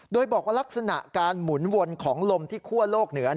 โดยบอกว่าลักษณะการหมุนวนของลมที่คั่วโลกเหนือ